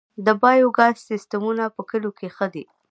د بایو ګاز سیستمونه په کلیو کې ښه دي